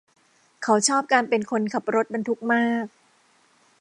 เขาชอบการเป็นคนขับรถบรรทุกมาก